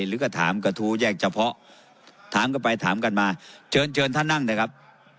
หรือก็ถามกระทู้แยกเฉพาะถามกันไปถามกันมาเชิญเชิญท่านนั่งเถอะครับ